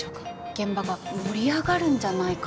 現場が盛り上がるんじゃないかと。